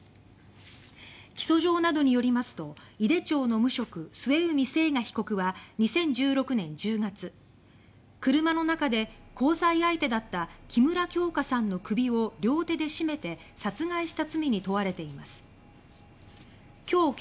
起訴状などによりますと井手町の無職・末海征河被告は２０１６年１０月、車の中で交際相手だった木村京花さんの首を両手で絞めて殺害した罪に問われています。